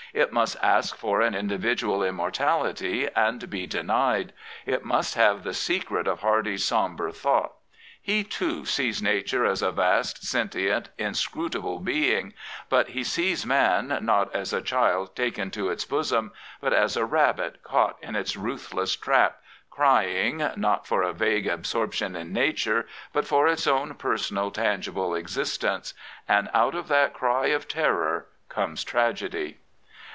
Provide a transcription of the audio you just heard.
It must ask fpr an individual immortality and be denied. It must have the secret of Hardy^s ^mbre thought. He, too, sees Nature as a vast, sentient, inscrutable being; 51 Prophets, Priests, and Kings but he sees man, not as a child taken to its bosom, but as a rabbit caught in its ruthless trap, crying, not for a vague absorption in Nature, but for its own personal, tangible existence. And out of that cry of terror comes tragedy.